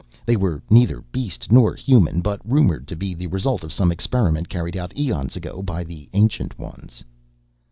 They were neither beast nor human, but rumored to be the result of some experiment carried out eons ago by the Ancient Ones.